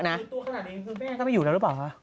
ตัวขนาดนี้คือแม่ก็ไม่อยู่แล้วหรือเปล่าคะ